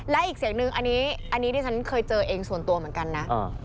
และอีกเสียงนึงอันนี้ที่ฉันเคยเจอเองส่วนตัวเหมือนกันนะ